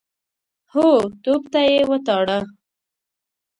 هو، توپ ته يې وتاړه.